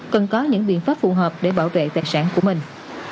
cần có những biện pháp phù hợp để bảo vệ tài sản của mình